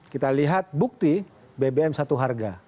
kita lihat bukti bbm satu harga